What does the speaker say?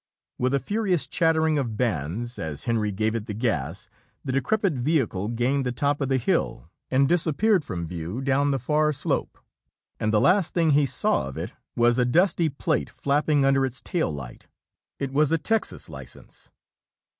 With a furious chattering of bands, as Henry gave it the gas, the decrepit vehicle gained the top of the hill and disappeared from view down the far slope, and the last thing he saw of it was a dusty plate flapping under its tail light. It was a Texas license!